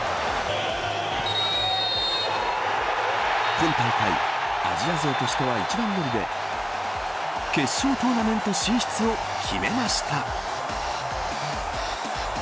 今大会アジア勢としては一番乗りで決勝トーナメント進出を決めました。